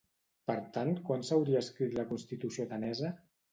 Per tant, quan s'hauria escrit la Constitució atenesa?